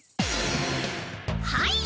はい。